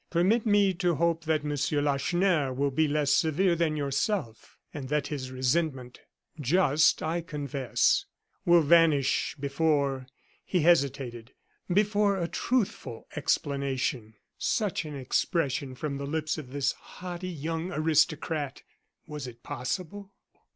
"Permit me to hope that Monsieur Lacheneur will be less severe than yourself; and that his resentment just, I confess, will vanish before" he hesitated "before a truthful explanation." Such an expression from the lips of this haughty young aristocrat! Was it possible?